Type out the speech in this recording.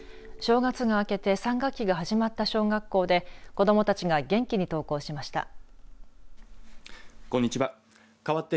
正月が明けて、３学期が始まった小学校で子どもたちが元気に登校しました。